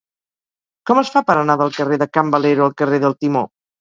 Com es fa per anar del carrer de Can Valero al carrer del Timó?